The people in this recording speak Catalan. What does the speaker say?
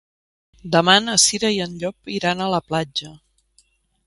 Demà na Cira i en Llop iran a la platja.